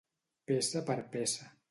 Peça per peça.